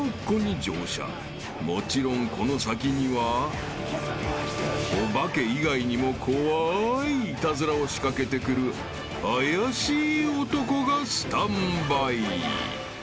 ［もちろんこの先にはお化け以外にも怖いイタズラを仕掛けてくる怪しい男がスタンバイ］